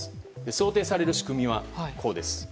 想定される仕組みは、こうです。